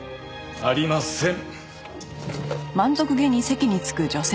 ありません！